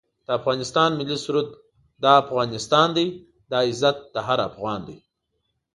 د افغانستان ملي سرود دا افغانستان دی دا عزت هر افغان دی